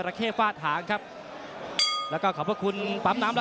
แต่ว่าห้าสี่รองไม่มีคนกล้าตอ